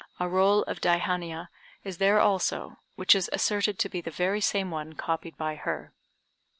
A roll of Daihannia is there also, which is asserted to be the very same one copied by her.